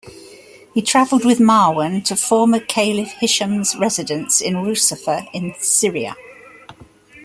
He travelled with Marwan to former Caliph Hisham's residence at Rusafah in Syria.